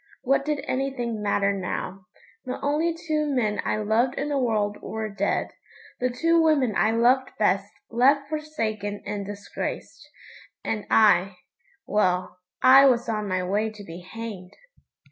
What did anything matter now? The only two men I loved in the world were dead; the two women I loved best left forsaken and disgraced; and I well, I was on my way to be hanged!